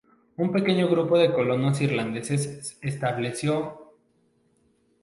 Un pequeño grupo de colonos irlandeses estableció St.